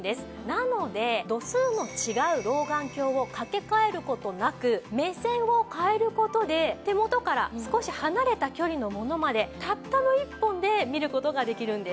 なので度数の違う老眼鏡を掛け替える事なく目線を変える事で手元から少し離れた距離のものまでたったの１本で見る事ができるんです。